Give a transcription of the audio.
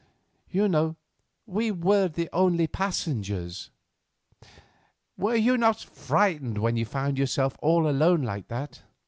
You know, we were the only passengers." "Were you not frightened when you found yourself all alone like that?"